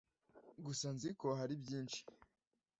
gusa nzi ko hari byinshi